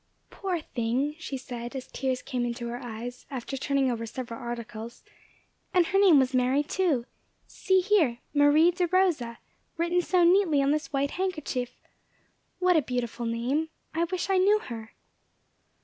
"Poor thing!" she said, as tears came into her eyes, after turning over several articles, "and her name was Mary, too. See here, 'Marie De Rosa,' written so neatly on this white handkerchief. What a beautiful name! I wish I knew her."